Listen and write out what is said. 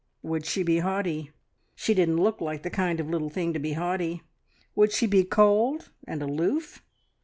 Would she be haughty? She didn't look the kind of little thing to be haughty! Would she be cold and aloof?